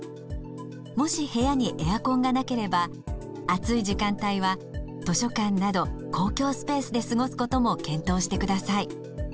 もし部屋にエアコンがなければ暑い時間帯は図書館など公共スペースで過ごすことも検討してください。